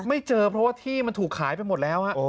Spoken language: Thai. ไม่เจอเพราะว่าที่มันถูกขายไปหมดแล้ว